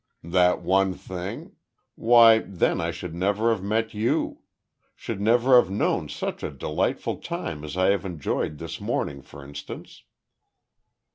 "That one thing? Why, then I should never have met you; should never have known such a delightful time as I have enjoyed this morning for instance."